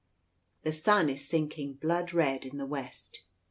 The sun is sinking blood red in the west.